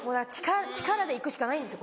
力でいくしかないんですよ